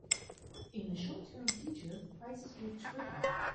In the short term future, prices will triple.